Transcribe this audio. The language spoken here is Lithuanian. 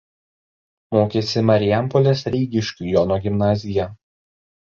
Mokėsi Marijampolės Rygiškių Jono gimnazija.